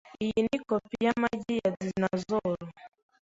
Iyi ni kopi yamagi ya dinosaur.